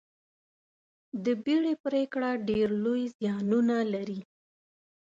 د بیړې پرېکړه ډېر لوی زیانونه لري.